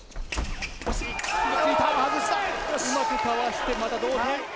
うまくかわしてまた同点。